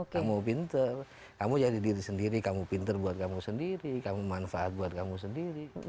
kamu pinter kamu jadi diri sendiri kamu pinter buat kamu sendiri kamu manfaat buat kamu sendiri